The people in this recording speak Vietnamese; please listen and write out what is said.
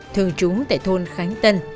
thường trú tại thôn khánh tân